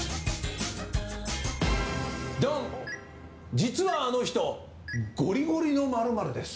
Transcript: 実はあの人ゴリゴリの○○です。